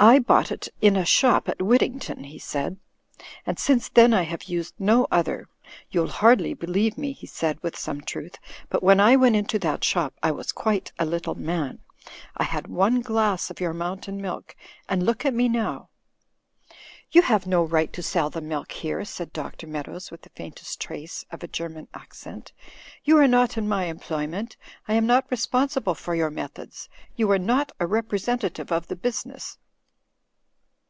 "I bought it in a shop at Wyddington," he said, "and since then I have used no other. You'll hardly believe me," he said, with some truth, '*but when I went into that shop I was quite a little man. I had one glass of your Moimtain Milk; and look at me now." "You have no right to sell the milk here," said Dr. Digitized by CjOOQI^ HOSPITALITY OF THE CAPTAIN 237 Meadows, with the faintest trace of a German ac cent. "You are not in my employment ; I am not re sponsible for your methods. You are not a repre sentative of the business."